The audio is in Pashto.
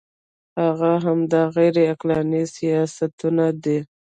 هغه همدا غیر عقلاني سیاستونه دي.